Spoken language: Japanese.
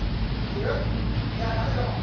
いやダメかも。